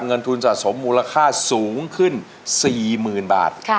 เงินทุนสะสมมูลค่าสูงขึ้น๔๐๐๐บาท